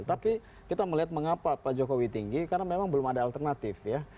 tapi kita melihat mengapa pak jokowi tinggi karena memang belum ada alternatif ya